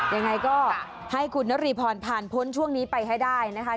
ยังไงก็ให้คุณนรีพรผ่านพ้นช่วงนี้ไปให้ได้นะคะ